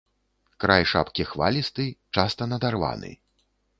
Край шапкі хвалісты, часта надарваны.